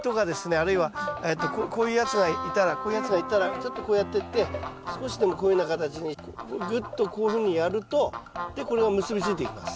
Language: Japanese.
あるいはこういうやつがいたらこういうやつがいたらちょっとこうやってって少しでもこういうふうな形にぐっとこういうふうにやるとでこれを結び付いていきます。